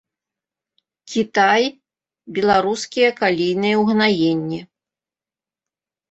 Кітай беларускія калійныя ўгнаенні.